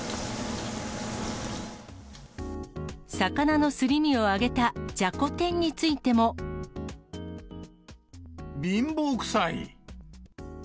魚のすり身を揚げたじゃこ天につ貧乏くさい。